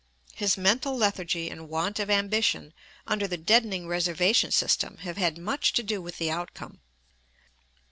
His mental lethargy and want of ambition under the deadening reservation system have had much to do with the outcome.